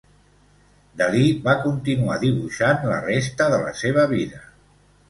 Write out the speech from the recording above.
Dalí i va continuar dibuixant la resta de la seva vida.